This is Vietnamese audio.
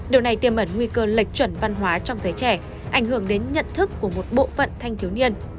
điều này tiêm ẩn nguy cơ lệch chuẩn văn hóa trong giới trẻ ảnh hưởng đến nhận thức của một bộ phận thanh thiếu niên